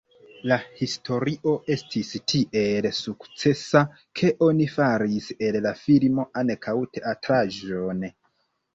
La historio estis tiel sukcesa, ke oni faris el la filmo ankaŭ teatraĵon.